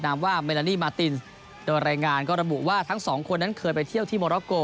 นามว่าเมลานีมาร์ตินซ์โดยรายงานก็ระบุว่าทั้ง๒คนนั้นเคยไปเที่ยวที่โมโลกโกล